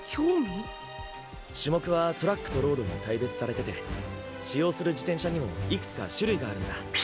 種目はトラックとロードに大別されてて使用する自転車にもいくつか種類があるんだ。